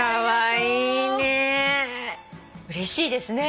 うれしいですね。